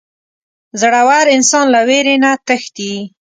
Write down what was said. • زړور انسان له وېرې نه تښتي.